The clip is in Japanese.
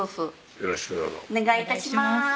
よろしくどうぞお願い致します